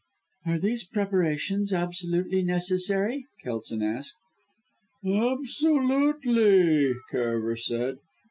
"Are these preparations absolutely necessary?" Kelson asked. "Absolutely," Karaver said.